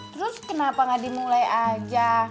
terus kenapa gak dimulai aja